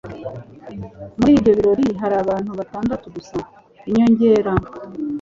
Muri ibyo birori hari abantu batandatu gusa. (inyongera)